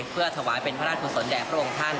เพื่อถ่วงเป็นผ้าราชวุศรแด่พระองค์ท่าน